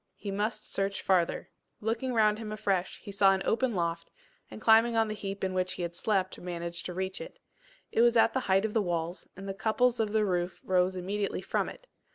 He must search farther. Looking round him afresh, he saw an open loft, and climbing on the heap in which he had slept, managed to reach it. It was at the height of the walls, and the couples of the roof rose immediately from it.